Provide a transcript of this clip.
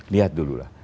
lihat dulu lah